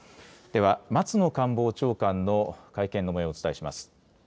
では、松野官房長官の会見のもようをお伝えします。